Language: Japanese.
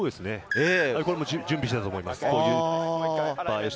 これも準備していたと思います。